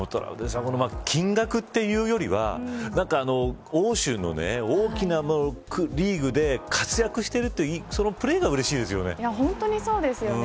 金額というよりは欧州の大きなリーグで活躍しているという本当にそうですよね。